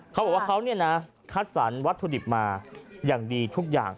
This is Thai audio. เขาบอกว่าเขาคัดสรรวัตถุดิบมาอย่างดีทุกอย่าง